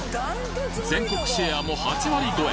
全国シェアも８割超え！